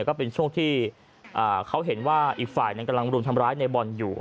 ก็เป็นช่วงที่เขาเห็นว่าอีกฝ่ายหนึ่งกำลังรุมทำร้ายในบอลอยู่